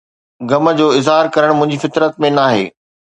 غم جو اظهار ڪرڻ منهنجي فطرت ۾ ناهي